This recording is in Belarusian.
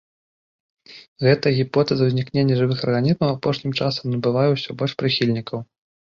Гэтая гіпотэза ўзнікнення жывых арганізмаў апошнім часам набывае ўсё больш прыхільнікаў.